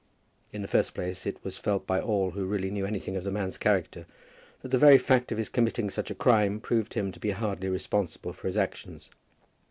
In the first place it was felt by all who really knew anything of the man's character, that the very fact of his committing such a crime proved him to be hardly responsible for his actions.